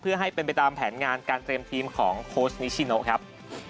เพื่อให้เป็นไปตามแผนงานการเตรียมทีมของโค้ชนิชิโนครับ